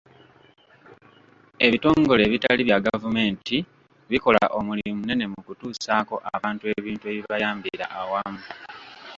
Ebitongole ebitali bya gavumenti bikola omulimu munene mu kutuusako abantu ebintu ebibayambira awamu.